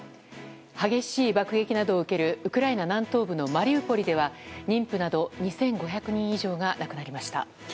激しい爆撃などを受けるウクライナ南東部マリウポリでは妊婦など２５００人以上が亡くなりました。